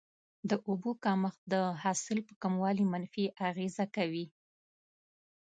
د اوبو کمښت د حاصل په کموالي منفي اغیزه کوي.